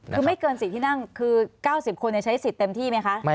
คือไม่เกิน๔ที่นั่งคือ๙๐คนใช้สิทธิ์เต็มที่ไหมคะ